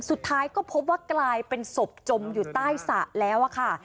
สุดท้ายก็พบว่ากลายเป็นศพจมอยู่ใต้สระแล้วค่ะ